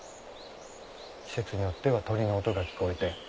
季節によっては鳥の音が聞こえて。